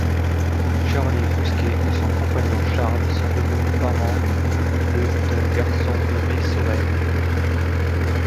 Shirley Bousquet et son compagnon Charles sont devenus parents le d'un garçon nommé Soren.